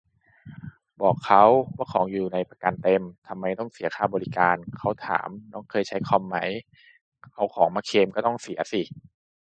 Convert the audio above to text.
บอกเขาว่าของอยู่ในประกันเต็ม ทำไมต้องเสียค่าบริการ เขาถาม น้องเคยใช้คอมไหม เอาของมาเคลมก็ต้องเสียสิ